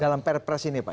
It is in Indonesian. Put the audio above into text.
dalam perpres ini pak